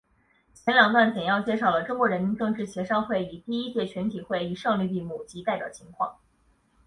前两段简要介绍了中国人民政治协商会议第一届全体会议胜利闭幕及代表情况。